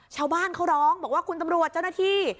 ชาวบ้านเขาร้องบอกว่าคุณตำรวจเจ้าหน้าที่